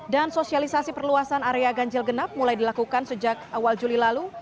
dan sosialisasi perluasan area ganjil genap mulai dilakukan sejak awal juli lalu